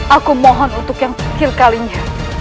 aku mohon untuk yang kecil kalinya